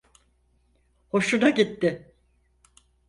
Hoşuna gitti.